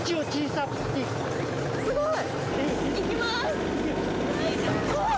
すごーい！